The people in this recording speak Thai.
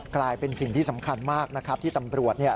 กลายเป็นสิ่งที่สำคัญมากนะครับที่ตำรวจเนี่ย